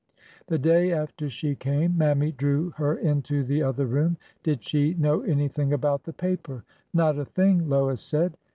The day after she came. Mammy drew her into the other room. Did she know anything about the paper? Not a thing, Lois said.